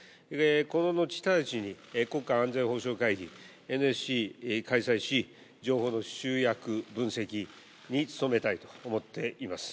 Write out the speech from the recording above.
この後、直ちに国家安全保障会議・ＮＳＣを開催し情報の集約、分析に努めたいと思っています。